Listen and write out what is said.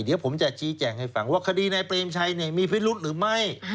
เดี๋ยวผมจะชี้แจงให้ฟังว่าคดีนายเปรมชัยมีพิรุธหรือไม่